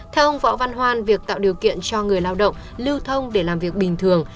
theo ông võ văn hoan việc tạo điều kiện cho người lao động lưu thông để làm việc bình thường